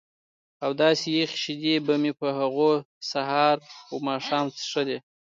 او داسې یخې شیدې به مې په هغو سهار و ماښام څښلې.